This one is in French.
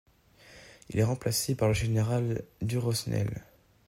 Il est remplacé par le général Durosnel.